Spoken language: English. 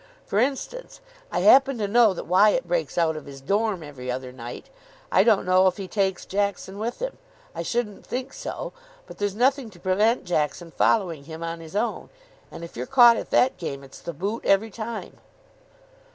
For instance, I happen to know that Wyatt breaks out of his dorm. every other night. I don't know if he takes Jackson with him. I shouldn't think so. But there's nothing to prevent Jackson following him on his own. And if you're caught at that game, it's the boot every time."